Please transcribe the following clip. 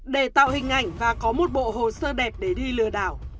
để tạo hình ảnh và có một bộ hồ sơ đẹp để đi lừa đảo